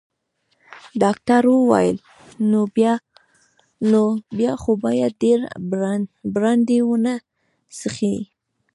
ډاکټر وویل: نو بیا خو باید ډیر برانډي ونه څښې.